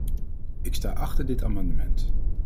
Ik sta achter dit amendement.